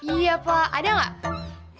iya pak ada gak